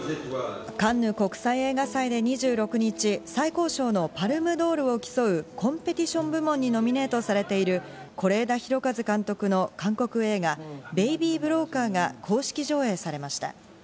カンヌ国際映画祭で２６日、最高賞のパルムドールを競うコンペティション部門にノミネートされている是枝裕和監督の韓国映画『ベイビー・ブローカー』が公式上映されました。